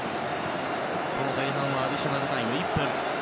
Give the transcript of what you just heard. この前半はアディショナルタイム１分。